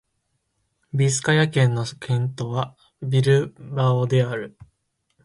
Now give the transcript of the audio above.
ビスカヤ県の県都はビルバオである